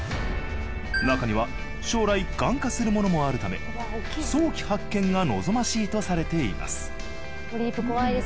なかには将来がん化するものもあるため早期発見が望ましいとされています